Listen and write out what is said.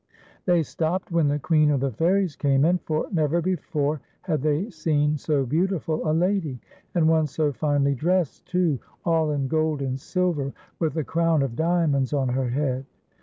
They stopped when the Queen of the Fairies came in, for never before had thc} seen so beautiful a lady, and one so finely dressed too, all in gold and silver, with a crown of diamonds on her head.